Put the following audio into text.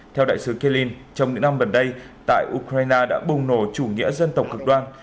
theo đại sứ kerin trong những năm gần đây tại ukraine đã bùng nổ chủ nghĩa dân tộc cực đoan